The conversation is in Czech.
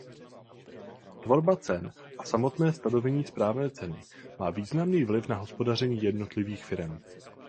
Tvorba cen a samotné stanovení správné ceny má významný vliv na hospodaření jednotlivých firem.